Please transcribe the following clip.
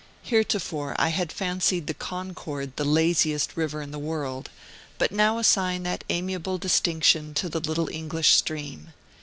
Heretofore I had fancied the Concord the laziest river in the world, but now assign that amiable distinction to the little English stream.